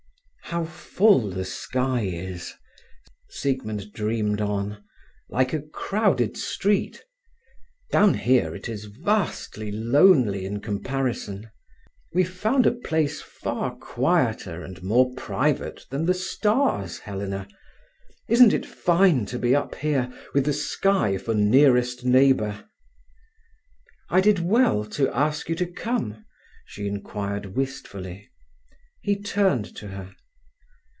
"How full the sky is!" Siegmund dreamed on—"like a crowded street. Down here it is vastly lonely in comparison. We've found a place far quieter and more private than the stars, Helena. Isn't it fine to be up here, with the sky for nearest neighbour?" "I did well to ask you to come?" she inquired wistfully. He turned to her.